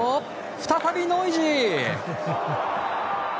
再びノイジー。